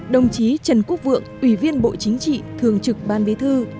đồng chí trần quốc vượng ủy viên bộ chính trị thường trực ban bí thư